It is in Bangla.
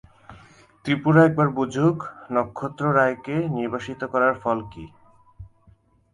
ত্রিপুরা একবার বুঝুক, নক্ষত্ররায়কে নির্বাসিত করার ফল কী।